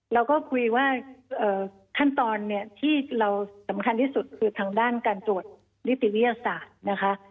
เราก็คุยว่าขั้นตอนเนี่ยที่เราสำคัญที่สุดคือทางด้านการตรวจนิติวิทยาศาสตร์นะคะ